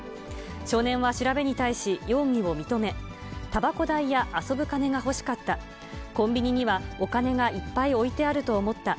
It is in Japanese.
少年は調べに対し、容疑を認め、たばこ代や遊ぶ金が欲しかった、コンビニにはお金がいっぱい置いてあると思った。